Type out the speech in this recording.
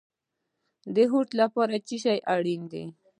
د هوډ لپاره څه شی اړین دی؟